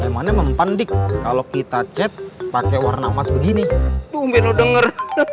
emangnya mempan dik kalau kita chat pakai warna emas begini tuh biar lo denger